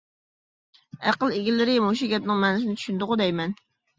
ئەقىل ئىگىلىرى مۇشۇ گەپنىڭ مەنىسىنى چۈشىنىدىغۇ دەيمەن.